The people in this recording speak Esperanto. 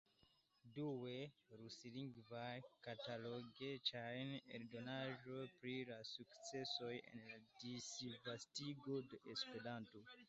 Due, ruslingvaj, katalogecaj eldonaĵoj pri la sukcesoj en la disvastigo de Esperanto.